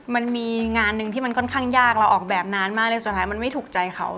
มันมีงานหนึ่งที่มันค่อนข้างยากเราออกแบบนานมากเลยสุดท้ายมันไม่ถูกใจเขา